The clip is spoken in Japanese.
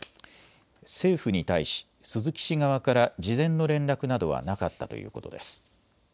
政府に対し鈴木氏側から事前の連絡などはなかったということです。